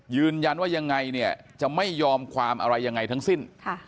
ยืนยันว่ายังไงเนี่ยจะไม่ยอมความอะไรยังไงทั้งสิ้น